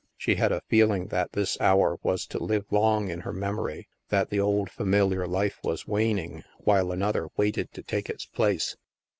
She had a feeling that this hour was to live long in her memory^ that the old familiar life was waning, while another waited to take its place.